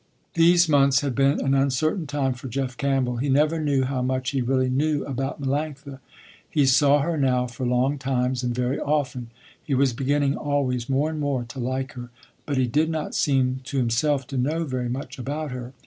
These months had been an uncertain time for Jeff Campbell. He never knew how much he really knew about Melanctha. He saw her now for long times and very often. He was beginning always more and more to like her. But he did not seem to himself to know very much about her.